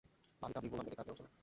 বালিকা দ্বিগুণ আবেগে কাঁদিয়া উঠিল।